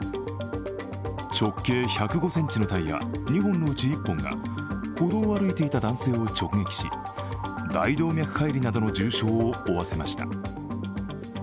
直径１０５ｃｍのタイヤ２本のうち１本が歩道を歩いていた男性を直撃し、大動脈解離などの重傷を負わせました。